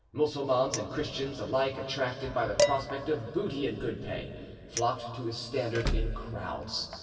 Mussulmans and Christians, alike attracted by the prospect of booty and good pay, flocked to his standard in crowds.